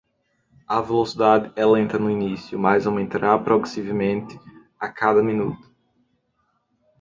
A velocidade é lenta no início, mas aumentará progressivamente a cada minuto.